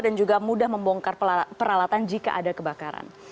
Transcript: dan juga mudah membongkar peralatan jika ada kebakaran